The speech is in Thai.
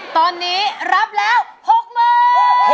ตอนนี้รับแล้ว๖มือ